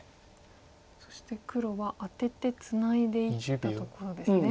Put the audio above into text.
そして黒はアテてツナいでいったところですね。